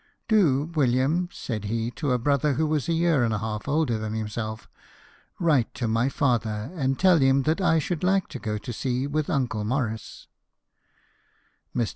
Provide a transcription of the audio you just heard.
"Do, William," said he to a brother who was a year B 2 LIFE OF NELSON. and a half older than himself, " write to my father and tell him that I should like to go to sea with Uncle Maurice." Mr.